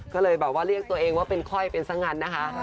ก็เลยแบบว่าเรียกตัวเองว่าเป็นค่อยเป็นซะงั้นนะคะ